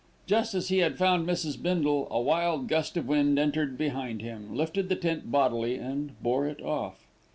Just as he had found Mrs. Bindle, a wild gust of wind entered behind him, lifted the tent bodily and bore it off.